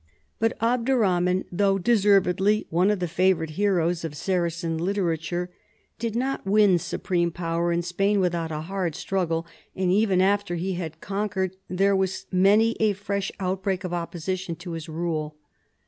But Abderrahman, though deservedly one of the favorite heroes of Saracen literature, did not win supreme power in Spain without a hard struggle, and even after he had conquered there was many a fresh outbreak of opposition to his rule.